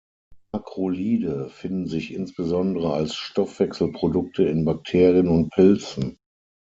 Makrolide finden sich insbesondere als Stoffwechselprodukte in Bakterien und Pilzen.